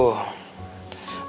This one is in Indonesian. papa berarti berarti